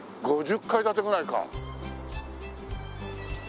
５０階建てぐらいか。